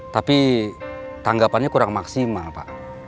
tapi tanggapannya kurang maksimal pak